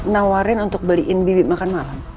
nawarin untuk beliin bibit makan malam